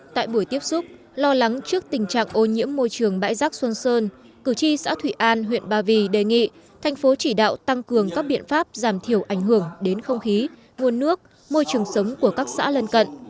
tại buổi tiếp xúc lo lắng trước tình trạng ô nhiễm môi trường bãi rác xuân sơn cử tri xã thụy an huyện ba vì đề nghị thành phố chỉ đạo tăng cường các biện pháp giảm thiểu ảnh hưởng đến không khí nguồn nước môi trường sống của các xã lân cận